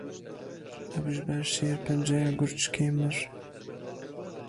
Ew ji ber şêrpenceya gurçikê mir.